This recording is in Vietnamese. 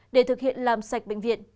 để thực hiện làm sạch bệnh viện